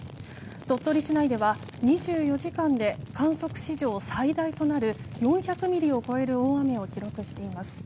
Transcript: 鳥取市内では、２４時間で観測史上最大となる４００ミリを超える大雨を記録しています。